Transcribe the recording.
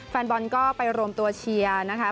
แฟนบอลก็ไปรวมตัวเชียร์นะคะ